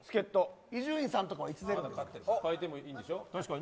伊集院さんとかはいつ出るんですか？